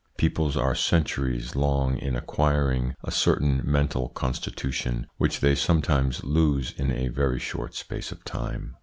Peoples are centuries long in acquiring a certain mental constitution, which they sometimes lose in a very short space of time.